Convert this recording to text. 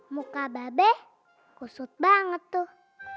muka babe kusut banget tuh